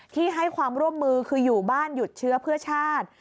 ที่ให้ความร่วมมือคืออยู่บ้านหยุดเชื้อเพื่อชาติ